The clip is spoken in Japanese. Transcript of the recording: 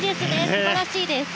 素晴らしいです。